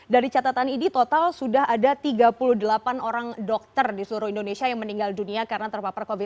dari catatan idi total sudah ada tiga puluh delapan orang dokter di seluruh indonesia yang meninggal dunia karena terpapar covid sembilan belas